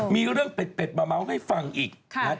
มีเรื่องเป็ดมาเมาท์ให้ฟังอีก